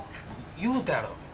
言うたやろ？